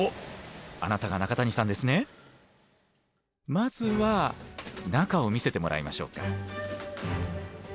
まずは中を見せてもらいましょうか。